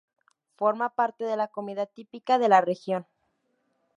Forma parte de la comida típica de la región.